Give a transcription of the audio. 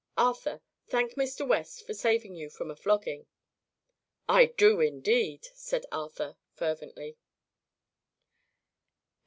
Arthur, thank Mr. West for saving you from a flogging." "I do, indeed!" said Arthur fervently.